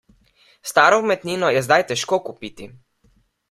Staro umetnino je zdaj težko kupiti.